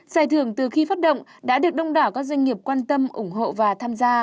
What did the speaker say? giải thưởng từ khi phát động đã được đông đảo các doanh nghiệp quan tâm ủng hộ và tham gia